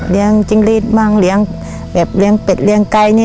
จิ้งรีดบ้างเลี้ยงแบบเลี้ยงเป็ดเลี้ยงไก่นี่